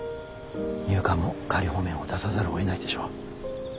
入管も仮放免を出さざるをえないでしょう。